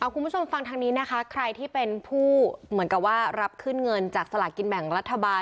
คุณผู้ชมฟังทางนี้นะคะใครที่เป็นผู้เหมือนกับว่ารับขึ้นเงินจากสลากินแบ่งรัฐบาล